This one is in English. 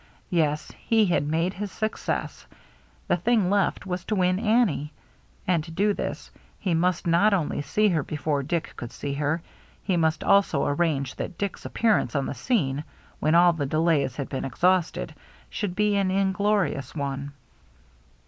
Yes, he had made his success — the thing left was to win Annie. And to do this he must not only see her 380 THE MERRT ANNE before Dick could see her ; he must also arrange that Dick's appearance on the scene, when all the delays had been exhausted, should be an inglo rious one.